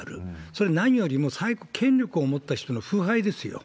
それ、何よりも権力を持った人の腐敗ですよ。